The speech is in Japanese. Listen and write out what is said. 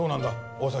大崎。